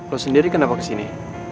lo sendiri kenapa kesini